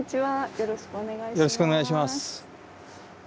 よろしくお願いします。